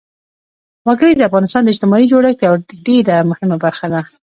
وګړي د افغانستان د اجتماعي جوړښت یوه ډېره مهمه برخه ده.